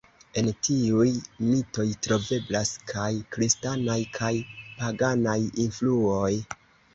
En tiuj mitoj troveblas kaj kristanaj kaj paganaj influoj.